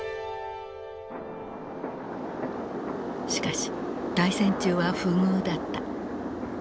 しかし大戦中は不遇だった。